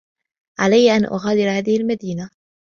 علي أن أغادر هذه المدينة.